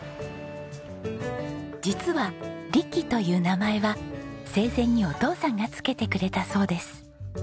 実は力という名前は生前にお父さんがつけてくれたそうです。